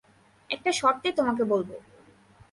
একটা শর্তে তোমাকে বলব।